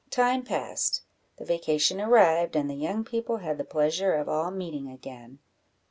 Time passed the vacation arrived, and the young people had the pleasure of all meeting again.